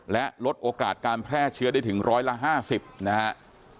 และลดโอกาสการแพร่เชื้อได้ถึงร้อยละ๕๐นะฮะ